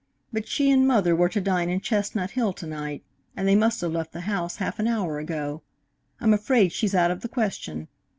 But she and mother were to dine in Chestnut Hill to night, and they must have left the house half an hour ago. I'm afraid she's out of the question.